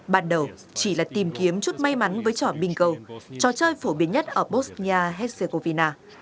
ban đầu chỉ là tìm kiếm chút may mắn với trò bing cầu trò chơi phổ biến nhất ở bosnia herzegovina